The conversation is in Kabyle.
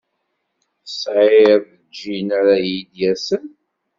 Tesɛid ajean ara iyi-d-yasen?